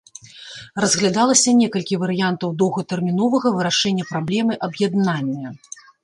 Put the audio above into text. Разглядалася некалькі варыянтаў доўгатэрміновага вырашэння праблемы аб'яднання.